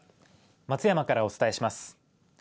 松山からお伝えします。